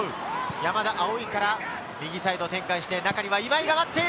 山田から右サイドに展開して今井が待っている。